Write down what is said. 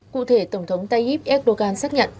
cụ thể tổng thống tayyip erdogan xác nhận